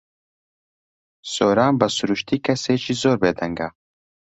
سۆران بە سروشتی کەسێکی زۆر بێدەنگە.